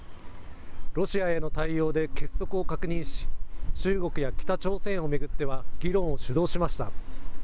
ロシアへの対応で結束を確認し、中国や北朝鮮を巡っては、議論を主導しました。